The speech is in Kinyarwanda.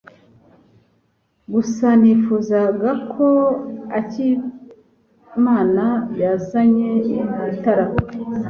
Gusa nifuzaga ko Akimana yazanye itara.